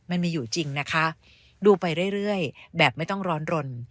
มันมีอยู่จริงนะคะดูไปเรื่อยแบบไม่ต้องร้อนรน